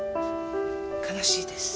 悲しいです。